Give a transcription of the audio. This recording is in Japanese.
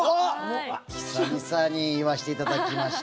久々に言わせていただきました。